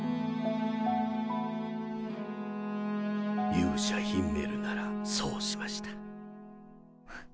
勇者ヒンメルならそうしました。